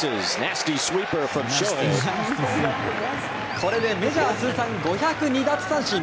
これでメジャー通算５０２奪三振。